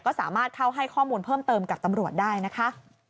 ก็สามารถเข้าให้ข้อมูลเพิ่มเติมกับตำรวจได้นะคะ